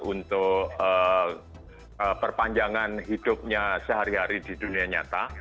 untuk perpanjangan hidupnya sehari hari di dunia nyata